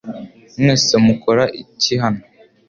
Mwese mukora iki hano?